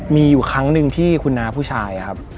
มีอยู่ครั้งหนึ่งที่คุณน้าผู้ชายครับ